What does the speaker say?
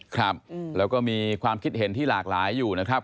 ครับแล้วก็มีความคิดเห็นที่หลากหลายอยู่นะครับ